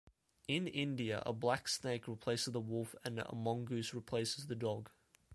In India, a black snake replaces the wolf and a mongoose replaces the dog.